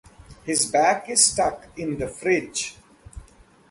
His back is stuck in the fridge.